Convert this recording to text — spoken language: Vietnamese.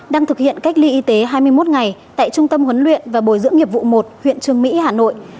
đang thực hiện cách ly y tế hai mươi một ngày tại trung tâm huấn luyện và bồi dưỡng nghiệp vụ một huyện trương mỹ hà nội